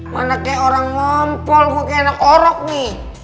mana kayak orang mempol kok kayak anak orok nih